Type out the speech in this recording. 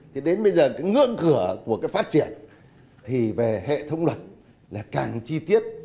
thì đến bây giờ cái ngưỡng cửa của cái phát triển thì về hệ thống luật là càng chi tiết